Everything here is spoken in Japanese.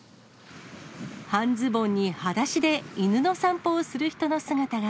半ズボンにはだしで、犬の散歩をする人の姿が。